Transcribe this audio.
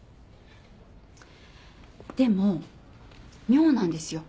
でも妙なんですよ。